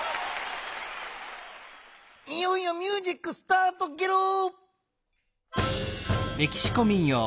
いよいよミュージックスタートゲロ！